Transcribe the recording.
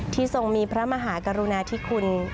ทรงมีพระมหากรุณาธิคุณ